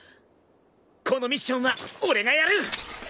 このミッションは俺がやる。